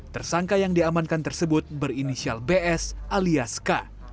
tersangka yang diamankan tersebut berinisial bs alias k